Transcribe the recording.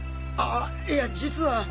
あいや実は。